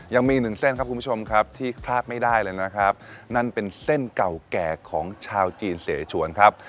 ยังมีอีกหนึ่งเส้นครับคุณผู้ชมครับที่พลาดไม่ได้เลยนะครับนั่นเป็นเส้นเก่าแก่ของชาวจีนเสชวนครับ